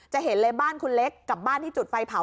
จะเห็นเลยบ้านคุณเล็กกับบ้านที่จุดไฟเผา